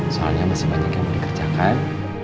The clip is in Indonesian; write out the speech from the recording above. soalnya masih banyak yang dikerjakan